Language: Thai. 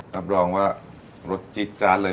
รับรองว่ารสจี๊ดจาดเลย